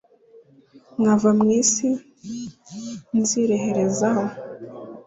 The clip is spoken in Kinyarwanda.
nkava mu isi nzireherezaho